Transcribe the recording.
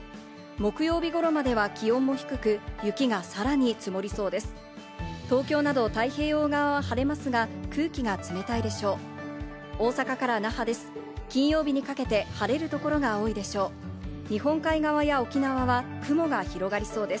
木曜日頃までは気温も低く、雪がさらに積もりそうです。